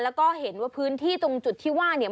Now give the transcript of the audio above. แล้วก็เห็นว่าพื้นที่ตรงจุดที่ว่าเนี่ย